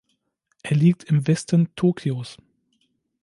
Er liegt im Westen Tokios.